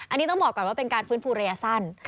อันนี้ต้องบอกก่อนว่าเป็นการฟื้นฟูระยะสั้น